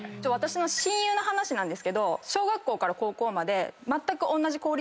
親友の話なんですけど小学校から高校まで。